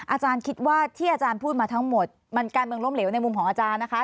อาจารย์คิดว่าที่อาจารย์พูดมาทั้งหมดมันการเมืองล้มเหลวในมุมของอาจารย์นะคะ